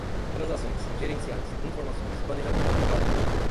transações, gerenciais, informações, planejamento, cálculo